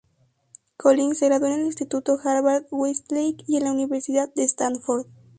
Collins se graduó en el Instituto Harvard-Westlake y en la Universidad de Stanford.